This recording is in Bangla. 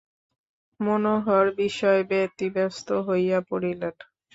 মনোহর বিষম ব্যতিব্যস্ত হইয়া পড়িলেন।